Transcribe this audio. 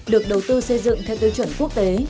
được đầu tư xây dựng theo tiêu chuẩn quốc tế